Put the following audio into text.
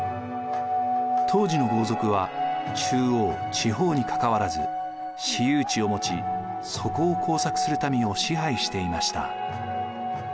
当時の豪族は中央地方にかかわらず私有地を持ちそこを耕作する民を支配していました。